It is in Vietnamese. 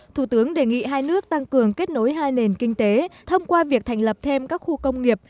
thủ tướng đề nghị hai nước tăng cường kết nối hai nền kinh tế thông qua việc thành lập thêm các khu công nghiệp